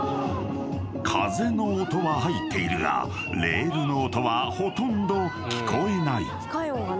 ［風の音は入っているがレールの音はほとんど聞こえない］